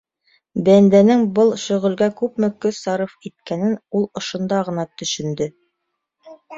Бәндәнең был шөғөлгә күпме көс сарыф иткәнен ул ошонда ғына төшөндө.